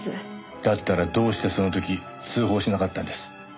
だったらどうしてその時通報しなかったんです？